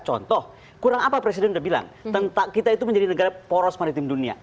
contoh kurang apa presiden udah bilang kita itu menjadi negara poros maritim dunia